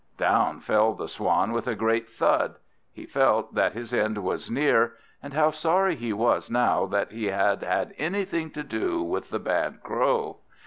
Down fell the Swan with a great thud. He felt that his end was near, and how sorry he was now that he had had anything to do with the bad Crow.